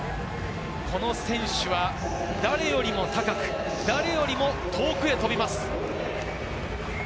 この選手は誰よりも高く、誰よりも遠くへ飛びます。